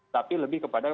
tapi lebih kepada